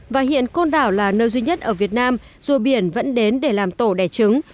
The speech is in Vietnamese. và hiện côn đảo là nơi duy nhất ở việt nam rùa biển vẫn đến để làm tổ đẻ trứng